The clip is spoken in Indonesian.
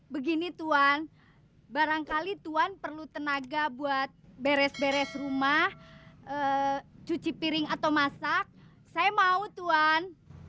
begini tuan barangkali tuan perlu tenaga buat beres beres rumah cuci piring atau masak saya mau tuan